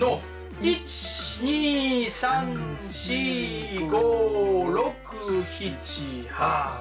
１２３４５６７８。